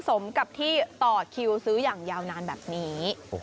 สมกับที่ต่อคิวซื้ออย่างยาวนานแบบนี้